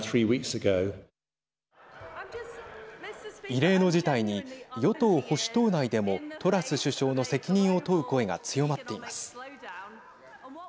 異例の事態に与党・保守党内でもトラス首相の責任を問う声が強まっています。